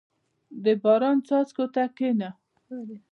• د باران څاڅکو ته کښېنه.